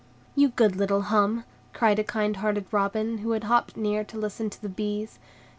"You good little Hum!" cried a kind hearted robin who had hopped near to listen to the bees.